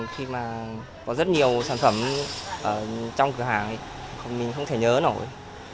khi mà có rất nhiều sản phẩm trong cửa hàng mình không thể nhớ nổi